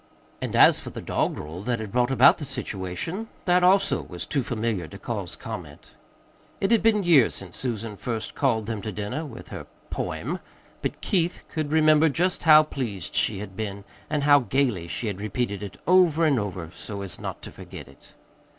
And as for the doggerel that had brought about the situation that, also, was too familiar to cause comment. It had been years since Susan first called them to dinner with her "poem"; but Keith could remember just how pleased she had been, and how gayly she had repeated it over and over, so as not to forget it.